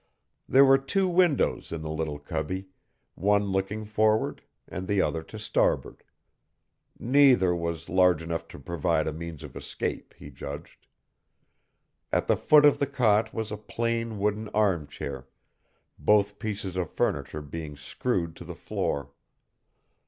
There were two windows in the little cubby, one looking forward and the other to starboard. Neither was large enough to provide a means of escape, he judged. At the foot of the cot was a plain wooden armchair, both pieces of furniture being screwed to the floor.